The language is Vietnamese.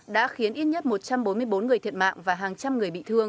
đã khiến ít nhất một trăm bốn mươi bốn người thiệt mạng và hàng trăm người bị thương